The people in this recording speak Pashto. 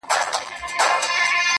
ليري له بلا سومه، چي ستا سومه~